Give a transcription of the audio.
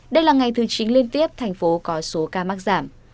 đây là ngày thứ chín liên tiếp thành phố có số ca mắc giảm